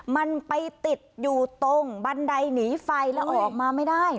มันไปติดอยู่ตรงบันไดหนีไฟแล้วออกมาไม่ได้